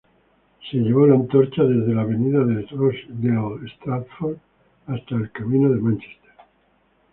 Se llevó la antorcha desde la Avenida Rochdale Stratford hasta el Camino Manchester.